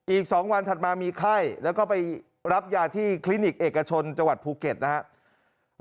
อีก๒วันถัดมามีไข้แล้วก็ไปรับยาที่คลินิกเอกชนจังหวัดภูเก็ตนะครับ